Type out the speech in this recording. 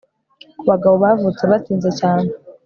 kubagabo bavutse batinze cyane